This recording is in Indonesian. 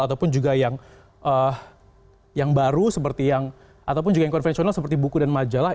ataupun juga yang baru seperti yang ataupun juga yang konvensional seperti buku dan majalah